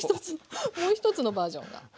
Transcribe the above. もう一つのバージョンが。